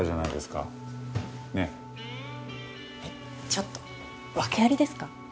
ちょっと訳ありですか？